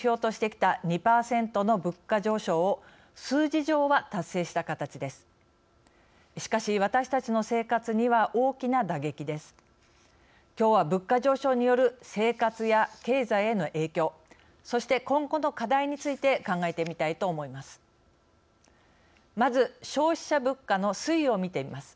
きょうは、物価上昇による生活や経済への影響そして、今後の課題について考えてみたいと思います。